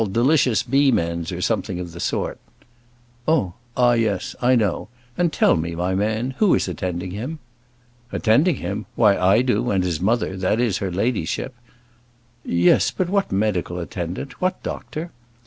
delicious beam ends, or something of that sort." "Oh, ah, yes; I know; and tell me, my man, who is attending him?" "Attending him? why, I do, and his mother, that is, her ladyship." "Yes; but what medical attendant: what doctor?"